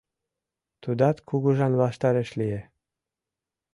Тудат кугыжан ваштареш лие.